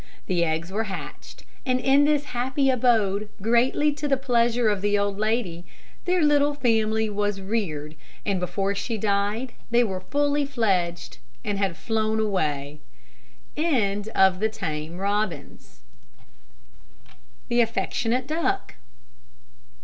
The eggs were hatched, and in this happy abode, greatly to the pleasure of the old lady, their little family was reared; and before she died, they were fully fledged, and had flown away. THE AFFECTIONATE DUCK.